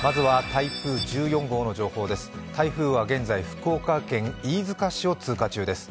台風は現在、福岡県飯塚市を通過中です。